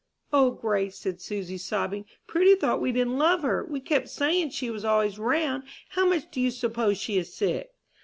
"O Grace," said Susy, sobbing, "Prudy thought we didn't love her! We kept saying she was always round. How much do you suppose she is sick?"